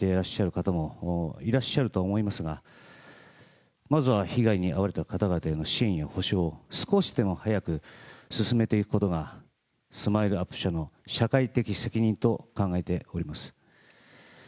スマイルということばに違和感を感じていらっしゃる方もいらっしゃると思いますが、まずは被害に遭われた方々に真に補償を少しでも早く進めていくことが、スマイルアップ社の社会的責任と考えております。